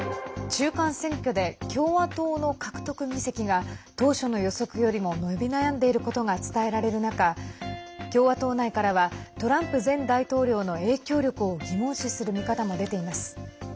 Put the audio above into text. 中間選挙で共和党の獲得議席が当初の予測よりも伸び悩んでいることが伝えられる中共和党内からはトランプ前大統領の影響力を疑問視する見方も出ています。